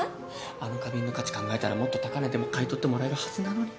あの花瓶の価値考えたらもっと高値でも買い取ってもらえるはずなのに。